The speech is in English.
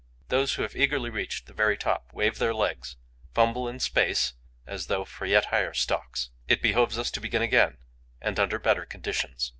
Those who have eagerly reached the very top wave their legs, fumble in space as though for yet higher stalks. It behoves us to begin again and under better conditions.